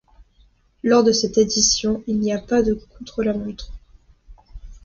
Lors de cette édition, il n'y a pas de contre-la-montre.